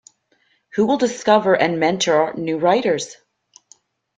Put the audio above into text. Who will discover and mentor new writers?